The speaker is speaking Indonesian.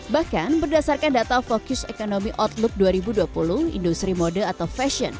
bahkan berdasarkan data focus economy outlook dua ribu dua puluh industri mode atau fashion